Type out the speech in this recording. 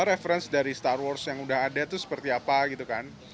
reference dari star wars yang udah ada tuh seperti apa gitu kan